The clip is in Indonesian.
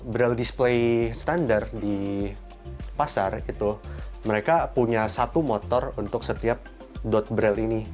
braille display standar di pasar itu mereka punya satu motor untuk setiap braille ini